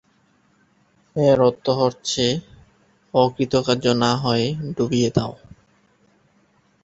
এর অর্থ হচ্ছে অকৃতকার্য না হয়ে ডুবিয়ে দাও।